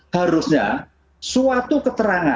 harusnya suatu keterangan